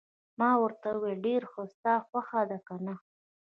ما ورته وویل: ډېر ښه، ستا خوښه ده، که نه؟